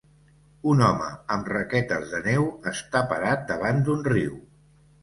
Un home amb raquetes de neu està parat davant d'un riu.